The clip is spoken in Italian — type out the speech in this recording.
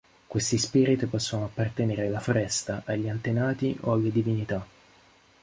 Questi spiriti possono appartenere alla Foresta, agli Antenati o alle Divinità.